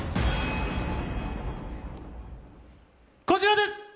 こちらです！